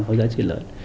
có giá trị lớn